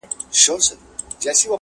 • محفل دي خوږدی می که تر خه دي -